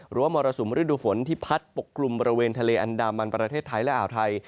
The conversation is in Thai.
มรสุมฤดูฝนที่พัดปกกลุ่มบริเวณทะเลอันดามันประเทศไทยและอ่าวไทย